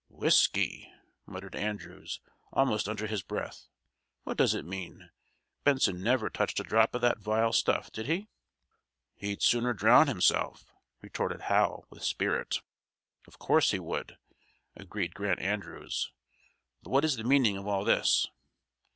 "Whiskey!" muttered Andrews, almost under his breath. "What does it mean? Benson never touched a drop of that vile stuff, did he?" "He'd sooner drown himself," retorted Hal, with spirit. "Of course he would," agreed Grant Andrews. "But what is the meaning of all this?"